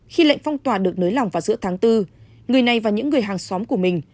khi lệnh phong tỏa được nới lỏng vào giữa tháng bốn người này và những người hàng xóm của mình